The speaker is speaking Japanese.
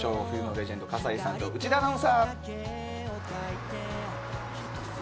冬のレジェンド、葛西さんと内田アナウンサー。